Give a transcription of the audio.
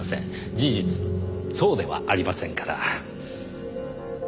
事実そうではありませんから。